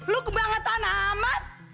lu kebangetan amat